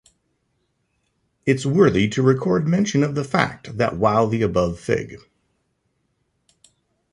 It's worthy to record mention of the fact that while the above fig.